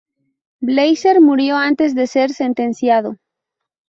Blazer murió antes de ser sentenciado.